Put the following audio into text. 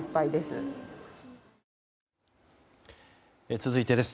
続いてです。